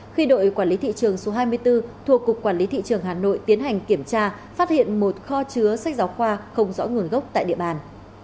khi đội quản lý thị trường số hai mươi bốn thuộc cục quản lý thị trường hà nội tiến hành kiểm tra phát hiện một kho chứa sách giáo khoa không rõ nguồn gốc tại địa bàn